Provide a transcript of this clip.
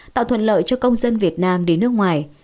tạo thuận lợi cho công dân việt nam đến nước ngoài